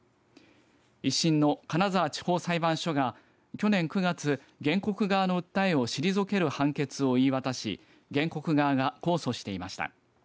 １審の金沢地方裁判所が去年９月、原告側の訴えを退ける判決を言い渡し原告側が控訴していました。